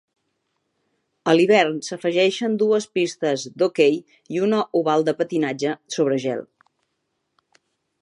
A l'hivern s'afegeixen dues pistes d'hoquei i un oval de patinatge sobre gel.